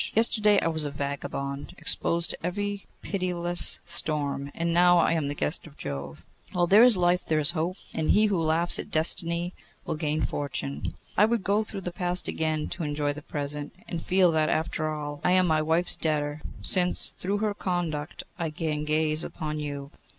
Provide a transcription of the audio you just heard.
Yesterday I was a vagabond exposed to every pitiless storm, and now I am the guest of Jove. While there is life there is hope, and he who laughs at Destiny will gain Fortune. I would go through the past again to enjoy the present, and feel that, after all, I am my wife's debtor, since, through her conduct, I can gaze upon you.